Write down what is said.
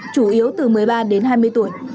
chủ yếu từ một mươi ba đến hai mươi tuổi